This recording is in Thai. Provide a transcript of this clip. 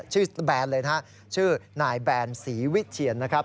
ชื่อตาแบนเลยนะชื่อนายแบนสีวิเทียนนะครับ